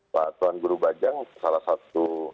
pak tuan guru bajang salah satu